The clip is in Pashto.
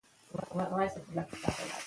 په افغانستان کې د سمندر نه شتون تاریخ اوږد دی.